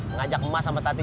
ngajak emas sama tati